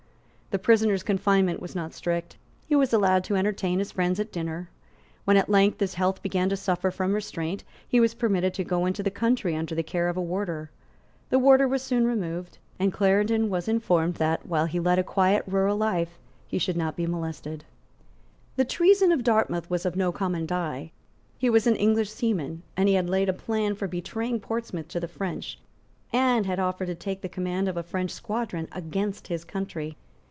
The prisoner's confinement was not strict. He was allowed to entertain his friends at dinner. When at length his health began to suffer from restraint, he was permitted to go into the country under the care of a warder; the warder was soon removed; and Clarendon was informed that, while he led a quiet rural life, he should not be molested. The treason of Dartmouth was of no common dye. He was an English seaman; and he had laid a plan for betraying Portsmouth to the French, and had offered to take the command of a French squadron against his country.